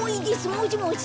もしもし？